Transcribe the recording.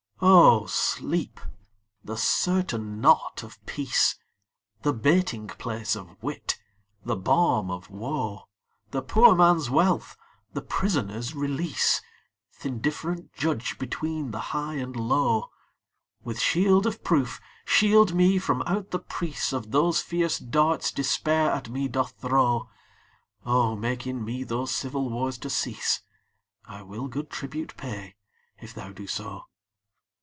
O Sleep, the certain knot of peace, The baiting place of wit, the balm of woe, The poor man's wealth, the prisoner's release, Th' indifferent judge between the high and low; With shield of proof shield me from out the press Of those fierce darts Despair at me doth throw: O make in me those civil wars to cease; I will good tribute pay, if thou do so.